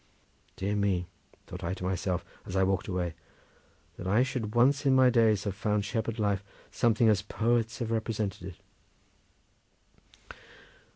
"Dear me!" thought I to myself as I walked away, "that I should once in my days have found shepherd life something as poets have represented it!"